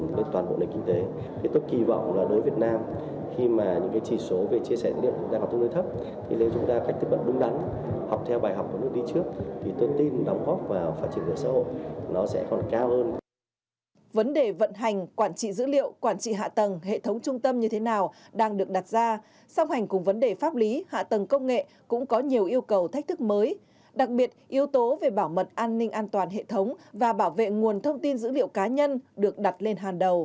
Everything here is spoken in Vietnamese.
vấn đề vận hành quản trị dữ liệu quản trị hạ tầng hệ thống trung tâm như thế nào đang được đặt ra song hành cùng vấn đề pháp lý hạ tầng công nghệ cũng có nhiều yêu cầu thách thức mới đặc biệt yếu tố về bảo mật an ninh an toàn hệ thống và bảo vệ nguồn thông tin dữ liệu cá nhân được đặt lên hàng đầu